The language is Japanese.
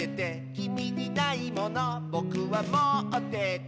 「きみにないものぼくはもってて」